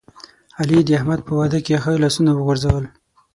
علی د احمد په واده کې ښه لاسونه وغورځول.